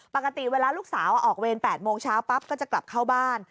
ปกติเวลาลูกสาวออกเวร๘โมงเช้าปั๊บก็จะกลับเข้าบ้าน